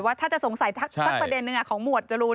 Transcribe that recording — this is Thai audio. ถ้าจะสงสัยสักประเด็นหนึ่งของหมวดจรูน